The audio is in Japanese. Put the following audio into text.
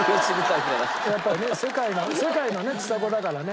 やっぱりね世界の世界のねちさ子だからね。